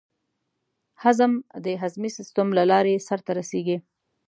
هضم د هضمي سیستم له لارې سر ته رسېږي.